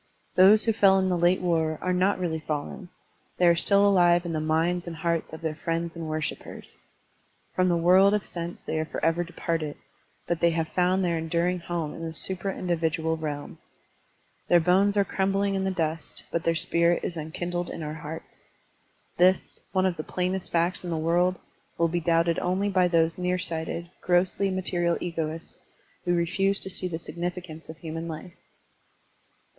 Those who fell in the late war are not really fallen; they are still alive in the minds and hearts of iheir friends and worshipers. From the world of sense they are forever departed, but they have found their enduring home in the supra individual realm. Their bones are crumbling in the dust, but their spirit is enkindled in our hearts. This, one of the plainest facts in the world, will be doubted only by those near sighted, grossly material egoists who refuse to see the significance of human life.